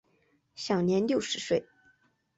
享年六十岁。